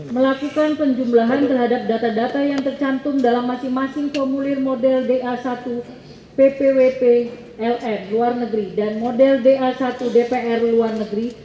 melakukan penjumlahan terhadap data data yang tercantum dalam masing masing formulir model da satu ppwp ln luar negeri dan model da satu dpr luar negeri